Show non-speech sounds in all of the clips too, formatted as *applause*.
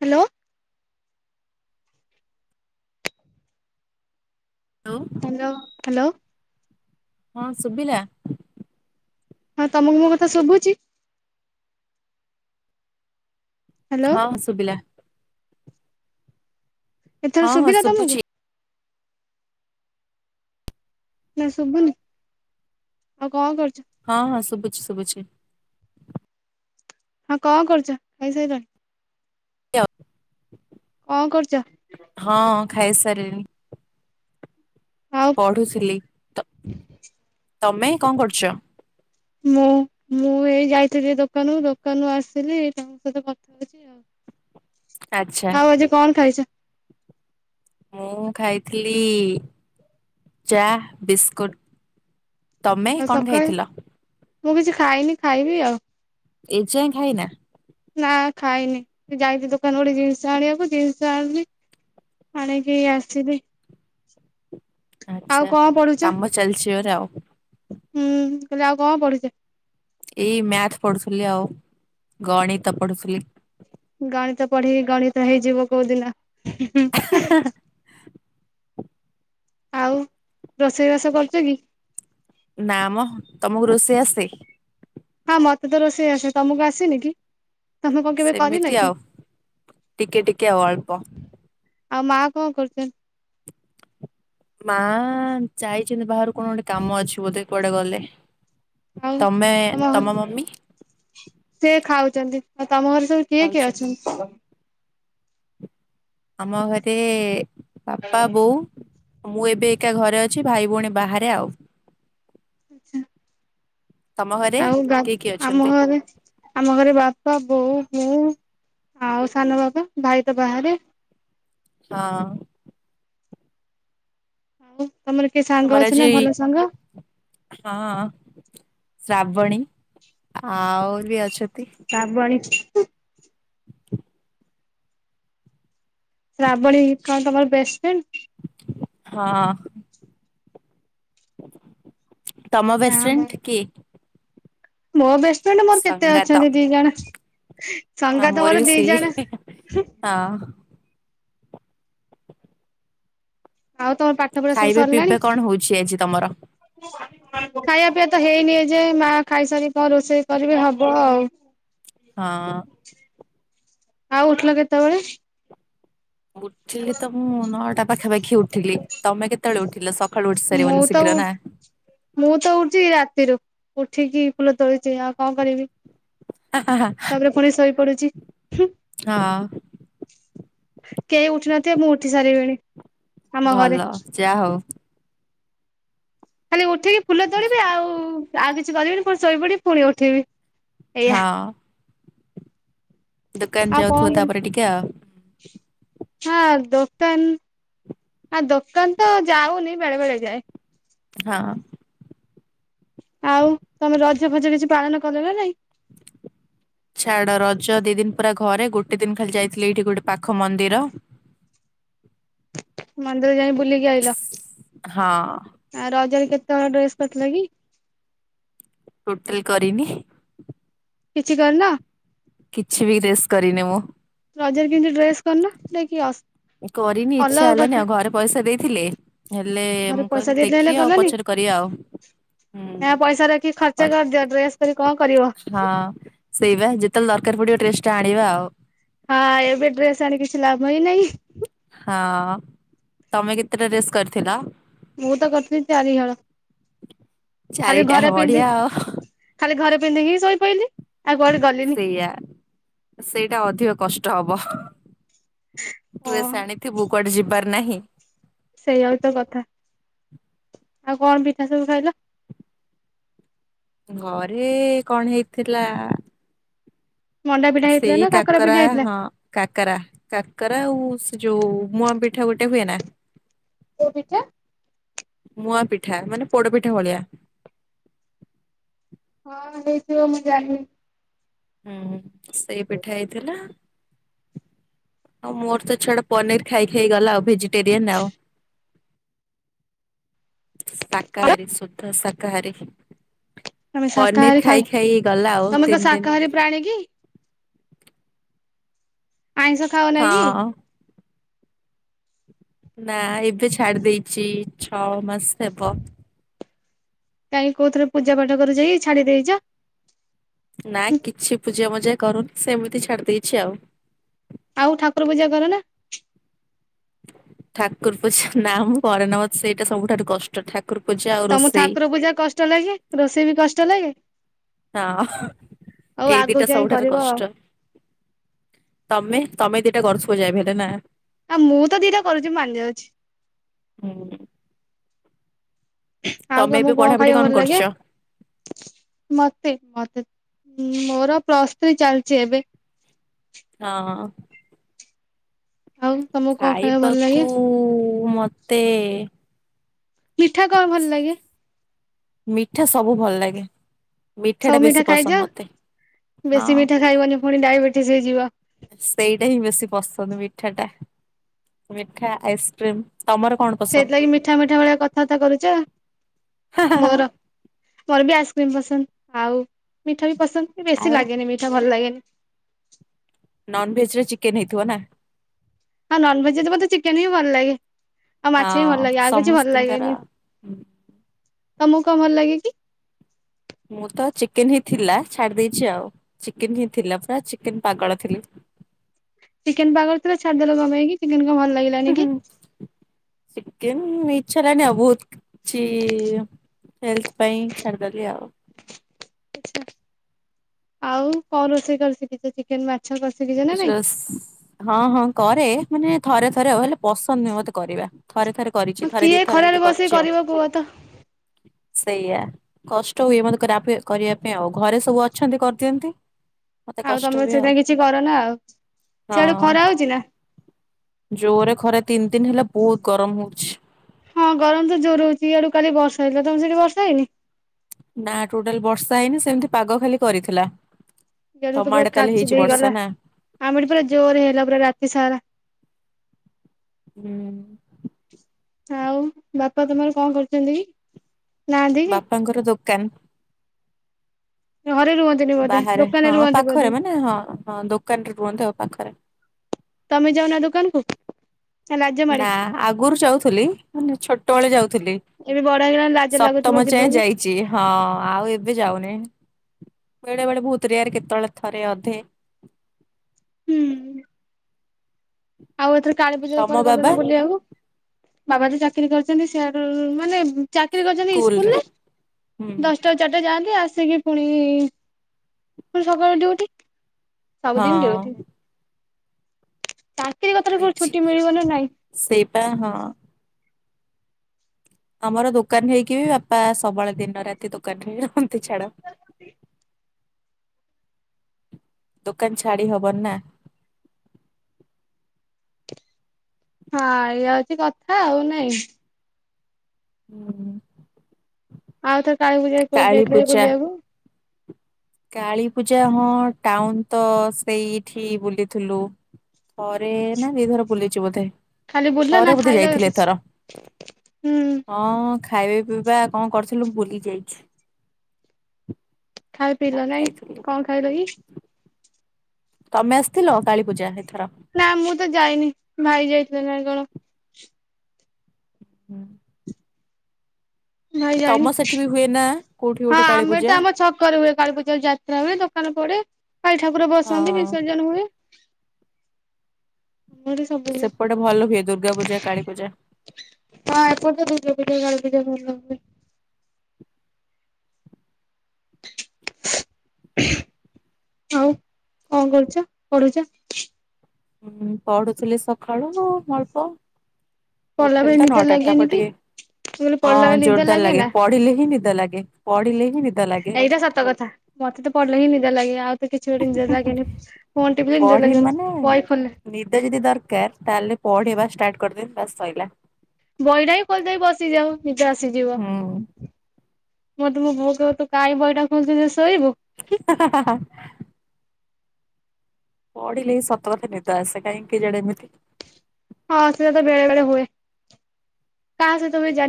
Hello? Hello hello hello. ହଁ ଶୁ? ହଁ ତମକୁ ମୋ କଥା ଶୁଭୁଛି? ହ୍ୟାଲୋ ହଁ ସୁବିଲା। ଏଥର ହଁ ହଁ ସୁବିଲା ତମକୁ? ଶୁଭୁଛି ନା ଶୁଭୁନି। ଆଉ କଣ କରୁ ହଁ ହଁ ଶୁଭୁଛି ଶୁଭୁଛି। ହଁ କଣ କରୁଛ ଖାଇସାରିଲଣି? *unintelligible* କଣ କରୁଛ? ଖାଇ ସାରିଲିଣିି। ଆଉ ପଢୁଥିଲି, ତମେ କଣ କରୁଛ? ମୁଁ ମୁଁ ଏଇ ଯାଇଥିଲି ଦୋକାନରୁ ଦୋକାନରୁ ଆସିଲି ତାଙ୍କ ସହିତ କଥା ହଉଛି ଆଚ୍ଛା ଆଉ। ଆଉ ଆଜି କଣ ଖାଇଛ? ମୁଁ ଖାଇଥିଲି ଚା, ବିସ୍କୁଟ। ତମେ ଆଉ କଣ ସକାଳେ ଖାଇଥିଲ? ମୁଁ କିଛି ଖାଇନି ଖାଇବି ଆଉ। ଏ ଯାଏଁ ଖାଇନା? ନା ଖାଇନି ଯାଇଛି ଦୋକାନ ଗୋଟେ ଜିନିଷ ଆଣିବାକୁ ଜିନିଷ ଆଣିଲି ଆଣିକି ଏଇ ଆସିିଲି। ଆଛା କାମ ଚାଲିଛି ଘରେ ଆଉ। ହୁଁ କହିଲି ଆଉ କଣ ପଢ଼ୁଛ? ଏଇ ମ୍ୟାଥ୍ ପଢୁଥିଲି। ଆଉ ଗଣିତ ପଢୁଥିଲି। ଗଣିତ ପଢିକି ଗଣିତ ହେଇଯିବ କୋଉଦିନ। ଆଉ ରୋଷେଇବାସ କରୁଛ କି? ନା ମ ତମକୁ ରୋଷେଇ ଆସେ? ହଁ ମତେ ତ ରୋଷେଇ ଆସେ। ତମକୁ ଆସିନି କି? ତମେ କଣ କେବେ ସେମିତି କରିନ କି? ଆଉ ଟିକେ ଟିକେ ଆଉ ଅଳ୍ପ ଆଉ ମା କଣ କରୁଛନ୍ତି? ମାଆ ଯାଇଛନ୍ତି ବାହାରକୁ କଣ ଗୋଟେ କାମ ଅଛି ବୋଧେ, କୁଆଡେ ଗଲେ। ଆଉ ତମେ ତମ ମମି? ସେ ଖାଉଛନ୍ତି। ଆ ତମ ଘରେ ସବୁ କିଏ କିଏ ଖାଉଛନ୍ତି। ଅଛନ୍ତି? ଆମ ଘରେ ବାପା, ବୋଉ ମୁଁ ଏବେ ଏକା ଘରେ ଅଛି। ଭାଇ ଭଉଣୀ ବାହାରେ ଆଉ। ଆଛା। ତମ ଘରେ ଆଉ ଗା କିଏ କିଏ ଆମ ଅଛନ୍ତି? ଘରେ ଆମ ଘରେ ବାପା ବୋଉ ମୁଁ ଆଉ ସାନ ବାବା ଭାଇ ତ ବାହାରେ। ହଁ। ଆଉ ତମର କିଏ ସାଙ୍ଗ ତମର ଅଛି ନା ଆଜି ଭଲ ସାଙ୍ଗ? ହଁ ଶ୍ରାବଣୀ ଆହୁରି ବି ଅଛନ୍ତୀ ଶ୍ରାବଣୀ ଶ୍ରାବଣୀ କଣ ତମର ବେଷ୍ଟ ଫ୍ରେଣ୍ଡ? ହଁ। ତମ ହଁ ମୋର ବେଷ୍ଟଫ୍ରେଣ୍ଡ୍ କିଏ? ମୋ ବେଷ୍ଟଫ୍ରେଣ୍ଡ୍ ମୋର କେତେ ସଙ୍ଗାତ ଅଛନ୍ତି ଦି ଜଣ। ହଁ ସଙ୍ଗାତ ମୋର ବି ଦି ସେଇ ଜଣ ହୁଁ। ହଁ। ଆଉ ତମର ପାଠ ପଢା ସବୁ ଖାଇବା ସରିଲାଣି? ପିଇବା କଣ ହଉଛି ଆଜି ତମର? ଖାଇବା ପିଇବା ତ ହେଇନି ଏଯାଏଁ ମା ଖାଇସାରି ରୋଷେଇ କରିବେ ହବ ଆଉ। ହଁ। ଆଉ ଉଠିଲ କେତେବେଳେ? ଉଠିଲି ତ ମୁଁ ନଅଟା ପାଖାପାଖି ଉଠିଲିତମେ କେତେବେଳେ ଉଠିଲ ସତ ମୁଁ ତ ଉଠ ମୁଁ ତ ଉଠେ ରାତି। ଉଠିକି ଫୁଲ ତୋଳିଛି ଆଉ କଣ କରିବି। ତାପରେ ପୁଣି ଶୋଇ ପଡୁଛି ହୁଁ। ହଁ। କେହି ଉଠି ନଥିବେ ମୁଁ ଉଠି ସାରିବିଣି। ଆମ ଘରେ। ଭଲ ଯାହା ହଉ। ଖାଲି ଉଠିକି ଫୁଲ ତୋଳିବି ଆଚ୍ଛା। ଆଉ ଆଉ କିଛି କରିବିନି ପୁଣି ଶୋଇପଡିି ପୁଣି ଉଠିବି। ଏଇଆ ହଁ। ଦୋକାନ ଆଉ କଣ ଯାଉଥିବ କରିବି ତାପରେ ଟିକେ ଆଉ। ହଁ ଦୋକାନ ହଁ ଦୋକାନ ତ ଯାଉନି ବେଳେ ବେଳେ ଯାଏ। ହଁ। ଆଉ ତମେ ରଜ ଫଜ କିଛି ପାଳନ କଲ ନା ନାଇଁ? ଛାଡ ରଜ ଦି ଦିନ ପୁରା ଘରେ ଗୋଟେ ଦିନ ଖାଲି ଯାଇଥିଲି ଏଇଠି ଗୋଟେ ପାଖ ମନ୍ଦିର। ମନ୍ଦିର ଯାଇ ବୁଲିକି ଆଇିଲ ହଁ ଆ ରଜରେ କେତେ ହଲ ଡ୍ରେସ୍ କରିଥିଲା କି? ଟୋଟିଲି କରିନି। କିଛି କରିନ? କିଛି ବି ରେସ୍ କରିନି ମୁଁ। ରଜରେ କେମିତି ଡ୍ରେସ୍ କରନ ଯକି ଅ କରିନି ଇଚ୍ଛା ହେଲାନି ଆଉ ଘରେ ପଇସା ଦେଇଥିଲେ ହେଲେ ଘରେ ମୁଁ ପଇସା କହିଲି ଦେଇଥିଲେ ହେଲେ ଦେଖି ଆଉ କଲନି ପଛରେ କରିବା ଆଉ। ହୁଁ ଏହା ପଇସା ରଖି ଖର୍ଚ୍ଚ ହଁ କରିଦିଅ ଡ୍ରେସ କରି କଣ କରିବ ସେଇ ବା ଯେତେବେଳ ଦର ପଡିିବ ଟେଷ୍ଟା ଆଣିବା ଆଉ। ହଁ ଏବେ ଡେସ୍ ଆଣି କିଛି ଲାଭ ହିଁ ନାହିଁ। ହଁ ତମେ କେତେଟା ଡ୍ରେସ କରିଥିଲ? ମୁଁ ତ କରିଥିଲି ଚାରିହଲ। ଖାଲି ଚାରିଟା ଘରେ ବଢିଆ ପିନ୍ଧି ଆଉ ଖାଲି ଘରେ ପିନ୍ଧି ହିଁ ଶୋଇ ପହିଲି। ସେଇୟଆ ସେଇଟା ଅଧିକ କଷ୍ଟ ହବ। ଓ ଡ୍ରେସ ଆଣିଥିବୁ କୁଆଡେ ଯିବାର ନାହିଁ। ସେଇଆଉ ତ କଥା। ଆଉ କଣ ପିଠା ସବୁ ଖାଇଲ? ଘରେ କଣ ହେଇଥିଲା। ମଣ୍ଡା ପିଠା ହେଇଥିଲା ସେଇ ନା କାକରା ପିଠା ହେଇଥିଲା ହଁ କାକରା କାକରା ଆଉ ଯୋଉ ମୁଆଁ ପିଠା ଗୋଟେ ହୁଏ ନା? କୋଉଁ ପିଠା? ମୁଆ ପିଠା ମାନେ ପୋଡପିଠା ଭଳିଆ। ହଁ ହେଇଥିବ ମୁଁ ଜାଣିନି। ହୁଁ ସେଇ ପିଠା ହେଇଥିଲା। ଆଉ ମୋର ତ ଛାଡ ପନିର ଖାଇ ଖାଇଗଲା ଆଉ ଭେଜିଟେରିଆନ ଆଉ। ଶାକାହାରୀ ଶୁଦ୍ଧ ଶାକାହାରୀ। ତମେ ଶାକାହାରୀ ପନିର ଖାଇ ଖାଇ ଗଲା ଆଉ ତମେ କଣ ତିନି ଦିନ୍। ଶାକାହାରୀ ପ୍ରାଣୀ କି? ଆଇଁଷ ଖାଉନା କି? ହଁ ନା ଏବେ ଛାଡି ଦେଇଚି ଛଅ ମାସ ହେବ। କାଇଁ, କୋଉ ଥିରେ ପୂଜା ପାଠ କରୁଚ କି ଛାଡି ଦେଇଚ? ନା କିଛି ପୂଜା ମଜା କରୁନି ସେମିତି ଛାଡି ଦେଇଛି ଆଉ। ଆଉ ଠାକୁର ପୂଜା କର ନା? ଠାକୁର୍ ପୂଜା ନାମ୍ ପରେ ନବ ସେଇଟା ସବୁଠାରୁ କଷ୍ଟ ଠାକ୍ ତମୁ ଠାକୁର ପୂଜା କଷ୍ଟ ଲାଗେ। ରୋଷେଇ ବି କଷ୍ଟ ଲାଗେ। ହଁ ଆଉ ଏଇ ଆଗକୁ ଦିଟା ଯାଇ ସବୁଠାରୁ କରିବ ଆଉ କଷ୍ଟ। ତମେ? ତମେ ଦିଇଟା ଗଡ୍ ଶୋଇ ଯାଏ ମୁ ହେଲେ ନା। ଆ ମୁଁ ତ ଦିଟା କରୁଚି ମାନି ଯାଉଚି। ହୁଁ ଆଉ ତମେ ତମକୁ ଏବେ କଣ ପଢାପଢି ଖାଇବାକୁ ଭଲ କରୁଛ? ଲାଗେ? ମତେ ମତେ ଉଁ ମୋର ପ୍ଲସ୍ ଥ୍ରୀ ଚାଲିଚି ଏବେ। ହଁ ଅ। ଆଉ ତମକୁ କଣ ଖାଇବା ଭଲ ଲାଗେ ଖାଇବାକୁ ଉ-ଉ-ଉ ମତେ ମିଠା କଣ ଭଲ ଲାଗେ? ମିଠା ସବୁ ଭଲ ଲାଗେ। ଟା ସବୁ ବେଶୀ ମିଠା ପସନ୍ଦ ଖାଇଯାଅ। ମତେ ବେଶୀ ହଁ। ମିଠା ଖାଇବନି ପୁଣି ଡାଇବେଟିସି ହେଇଯିବ। ସେଇଟା ହିଁ ବେଶୀ ପସନ୍ଦ ମିଠାଟା ମିଠା ଆଇସ୍କ୍ରିମ୍। ସେଇଥିଲାଗି ମିଠା ମିଠା ଭଳିଆ କଥାବାର୍ତ୍ତା କରୁଚ ହା ହା ହା। ମୋର ମୋର ବି ଆସ୍ କ୍ରିମ୍ ପସନ୍ଦ ଆଉ ମିଠା ବି ପସନ୍ଦ କି ବେଶୀ ଆଉ ଲାଗେନି ମିଠା ଭଲ ଲାଗେନି। ନନଭେଜ୍ ରେ ଚିକେନ ହେଇଥିବ ନା। ହଁ ନନଭେଜ୍ ରେ ମତେ ଚିକେନ୍ ହିଁ ଭଲ ଲାଗେ। ଆଉ ମାଛ ବି ଭଲ ହଁ ଲାଗେ ଆଉ କିଛି ଭଲ ସମସ୍ତିଙ୍କର ଲାଗେନି। ହୁଁ ତମକୁ କଣ ଭଲ ଲାଗେ କି? ମୁଁ ତ ଚିକେନ ହିଁ ଥିଲା ଛାଡି ଦେଇଚି ଆଉ ଚିକେନ୍ ହିଁ ଥିଲା ପୁରା ଚିକେନ୍ ପାଗଳ ଥିଲି। *inaudible* ଚିକେନ୍ କଣ ଭଲ ଲାଗିଲାନି କି? କେନ୍ ଇଚ୍ଛା ହେଲାନି ବହୁତ୍ କିଛି ହେଲଥ ପାଇଁ ଛାଡିଦେଲି ଆଉ। ଆଉ କଁ ରୋଷେଇ କରି ଚିକ୍ ଚିକ୍ ଚିକ୍ ଚେକ୍ ଚିକେନ୍ ମା ସ୍ ହଁ-ହଁ କରେ ମାନେ ଥରେ ଥରେ ଆଉ ହେଲେ ପସନ୍ଦ ନୁହେଁ ମତେ କରିବା। ଥରେ ଥରେ କରିଚି ହଁ ଥରେ ଦି କିଏ ଥରେ ଖରାରେ ଏମିତି ବସିକି କରିଚି ଆଉ। କରିବ କୁହ ତ ସେଇଆ କଷ୍ଟ ହୁଏ ମତେ କରା ପାଇଁ କରିବା ପାଇଁ ଆଉ ଘରେ ସବୁ ଅଛନ୍ତି କରିଦିଅନ୍ତି। ମତେ ଆଉ କଷ୍ଟ ତମେ ବୋଧେ ହୁଏ ଆଉ ସେଥିପାଇଁ କିଛି କର ନା ଆଉ ସିଆଡେ ହଁ ଖରା ହଉଚି ନା। ଜୋରେ ଖରା ତିନି ଦିନ ହେଲା ବହୁତ ଗରମ ହଉଛି। ହଇଲ ତମର ସେଠି ବର୍ଷା ହେଇନି? ନା ଟୋଟାଲ ବର୍ଷା ହେଇନି ସେମିତି ପାଗ ଖାଲି କରିଥିଲା। କାଲି ତ ତମ ପୁରା ଆଡେ ତାହେଲେ କାଚି ହେଇଛି ବର୍ଷା ଦେଇଗଲା ନା ଆମଠି ପୁରା ଜୋରେ ହେଲା ପୁରା ରାତି ସାରା। ହୁଁ। ଆଉ ବାପା ତମର କଣ କରୁଚନ୍ତି କି? ନାହାନ୍ତି କି ବାପାଙ୍କର ଦୋକାନ। ଘରେ ରୁହନ୍ତିନି ବୋଧେ ବାହାରେ ଦୋକାନରେ ହଁ ରୁହନ୍ତି ବୋଧେ ପାଖରେ ମାନେ ହଁ-ହଁ ଦୋକାନରେ ରୁହନ୍ତି ଆଉ ପାଖରେ। ତମେ ଯାଉନା ଦୋକାନକୁୁ? ନା ଆଗୁରୁ ଯାଉଥିଲି ମାନେ ଛୋଟବେଳେ ଯାଉ ଥିଲି ଏବେ ବଡ ହେଇଗଲାଣି ଲାଜ ଲାଗୁଥିବ ସପ୍ତମ ଯାଏଁ ଯିବାକୁ ଯାଇଚି ହଁ ଆଉ ଏବେ ଯାଉନି। ବେଳେ ବେଳେ ବହୁତ୍ ରେୟାର କେତବେଳେ ଥରେ ଅଧେ। ହୁଁ। ଆଉ ଏଥିର କାଳି ପୂଜାରେ ତମ କୁଆଡେ ଗଲ ବାବା ନା ବୁଲିବାକୁ ବାବା ତ ଚାକିରି କରିଛନ୍ତି ସେ ମାନେ ଚାକିରୀ କରିଛନ୍ତି ସ୍କୁଲରେ ଇସ୍କୁଲରେ ହୁଁ। ଦଶଟା ଚାରିଟା ଯାଆନ୍ତି ଆସ ସେ କି ପୁଣି- ପୁଣି ସକାଳ ଡ଼ିଉଟି ହଁ ସବୁଦିନ ଡ଼ିଉଟି। କୋଉଠି ହେଇଚି ଛୁଟି ମିଳିବ ନା ନାଇଁ ସେଇପା ହଁ। ଆମର ଦୋକାନ ହେଇକି ବି ବାପା ସବଳେ ଦିନ ରାତି ଦୋକାନରେ ରହନ୍ତି। ତି ଛାଡ଼। ଦୋକାନ ଛାଡ଼ି ହବନି ନା। *inaudible* ହଁ ଏୟା ଅଛି କଥା ଆଉ ନାଇଁ। ହୁଁ। ଆଉ ଥର କାଳୀ ପୂଜା ରେ କୁଆଡେ କାଳୀ ଯାଇଥିଲ କି ପୂଜା ବୁଲିବାକୁ? କାଳୀ ପୂଜା ହଁ ଟାଉନ ତ ସେଇଠି ବୁଲିଥିଲୁ। ଥରେ ନା ଦିଥର ବୁଲିଚୁ ବୋଧେ ଖାଲି ବୁଲିଲ ନା ଥରେ ବୋଧେ ଖାଇଲ ଯାଇଥିଲେ କିଛି ଏଥର। ହୁଁ ହଁ ଖା ଖାଇବା ପିଇବା କଣ କରିଥିଲୁ ଭୁଲି ଯାଇଚୁ। ଖାଇ ପିଇଲ ନାଇଁ କଣ ଖାଇଲ କି? ତମେ ଆସିଥିଲ କାଳୀପୂଜା ରେ? ନା ମୁଁ ତ ଯାଇନି ଭାଇ ଯାଇଥିଲି ନାଇଁ କଣ। ହୁଁ। ଭାଇ ଯାଇନି। ତମ ସେଠି ବି ହୁଏ ନା? କୋଉଠି ହଁ ଗୋଟେ କାଳୀ ଆମେ ପୂଜା? ତ ଆମ ଛକରେ ହୁଏ କାଳୀ ପୂଜା ଯାତ୍ରା ହୁଏ ଦୋକାନ ପଡେ। ଭାଇ ଠାକୁର ହଁ ବସନ୍ତି ବିସର୍ଜନ ହୁଏ। ଆମର ସବୁ ସେପଟେ ଭଲ ହୁଏ ଦୁର୍ଗା ପୂଜା କାଳୀ ପୂଜା। ହଁ ଏପଟ *unintelligible* *inaudible* ଆଉ କଣ କରୁଛ? ପଢୁଛ। ହୁଁ ପଢୁଥିଲି ସକାଳୁ ଅଳ୍ପ। ପଢିଲା ଉଠଲ ବେଳେ ତ ନିଦ ନଅଟ ତାପ ଲାଗେନି କି ଟିକେ ମୁଁ କହିଲି ପଢିଲା ହଁ ବେଳେ ନିଦ ଜୋରଦାର ଲାଗେ ନା? ପଢିଲେ ହିଁ ନିଦ ଲାଗେ ପଢିଲେ ହିଁ ନିଦ ଲାଗେ। ଏଇଟା ସତ କଥା ମତେ ତ ପଢିଲେ ହିଁ ନିଦ ଲାଗେ ଆଉ ତ କିଛି ଗୋଟେ ନିଜ ଲାଗେନି ଫୋନ୍ ଟିପିଲେ ନିଦ ପଢି ଲାଗେନି। ମାନେ ବହି ଖୋ ନିଦ ଯଦି ଦରକାର ତାହେଲେ ପଢ଼ିବା ଷ୍ଟାର୍ଟ କରିଦିଅନ୍ତୁ ବାସ୍ ସରିଲା। ବହିଟା ହି ଖୋଲି ଦେଇ ବସିଯାଉ ନିଜେ ଆସିଯିବ। ହୁଁ ମ ତେ ମୋ ବୋଉ କହିବ ତୁ କାଇଁ ବହିଟା ଖୋଲୁଥିଲୁ। *inaudible* ପଢିଲେ ହିଁ ସତ କଥା ନିଦ ଆସେ କାହିଁକି କେଜାନେ ଏମିତି। ହଁ ସେଟା ତ ବେଳେ ବେଳେ ହୁଏ କାହା ସହିତ ହୁଏ ଜାଣି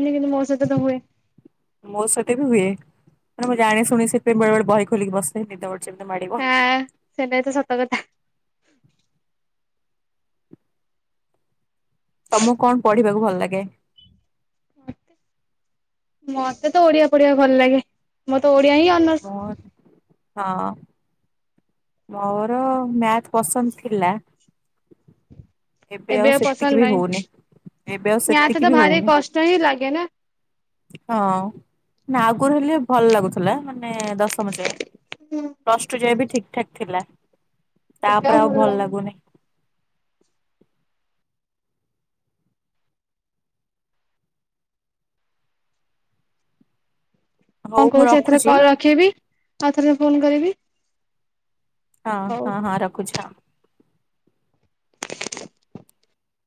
ମତ ସତେ ବି ହୁଏ। ନା ମୁଁ ଜାଣି ଶୁଣି ସେଥିପାଇଁ ବେଳେବେଳେ ବହି ଖୋଲିକି ବସେ ଯେତେବ ହଁ ସେଟା ତ ସତ କଥା। ତମକୁ କଣ ପଢିବାକୁ ଭଲ ଲାଗେ? ମତେ ତ ଓଡିଆ ପଢିବା ଭଲ ଲାଗେ ମୋର ତ ଓଡିଆ ହିଁ ଅନର୍ସ। ମୁଁ ହଁ। ମୋର ମ୍ୟାଥ ପସନ୍ଦ ଥିଲା ଏବେ ଆଉ ସେତିକି ବି ହଉନି। ଏବେ ଆଉ ମ୍ୟାଥ ସେତିକି ତ ବି ଭାରି ହଉନି। କଷ୍ଟ ହିଁ ଲାଗେ ନା। ହଁ ନା ଆଉ କଣ ହେଲେ ଭଲ ଲାଗୁଛି। ମାନେ ଦଶମ ଯାଏ ପ୍ଲସ ଟୁ ଯାଏ ବି ଠିକ ଠାକ୍ ଥିଲା। ତାପରେ ଆଉ ଭଲ ଲାଗୁନି। ହଉ କଣ ମୁଁ କହୁଛି ଏଥର ରଖୁଛି କଲ ରଖେଇବି ଆଉଥରେ ଫୋନ କରିବି। ହଁ ହଁ ହଉ। ହଁ ହଁ ରଖୁଛି ହଁ।